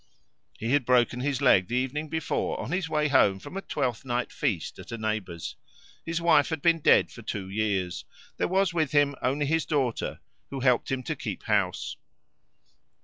He had broken his leg the evening before on his way home from a Twelfth night feast at a neighbour's. His wife had been dead for two years. There was with him only his daughter, who helped him to keep house.